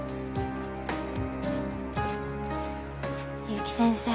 結城先生。